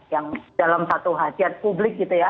yang dalam satu hajat publik gitu ya